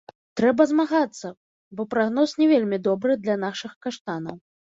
Трэба змагацца, бо прагноз не вельмі добры для нашых каштанаў.